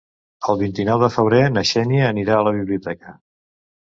El vint-i-nou de febrer na Xènia anirà a la biblioteca.